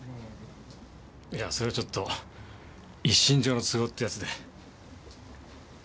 いやそれはちょっと一身上の都合ってやつで。